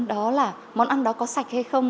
đó là món ăn đó có sạch hay không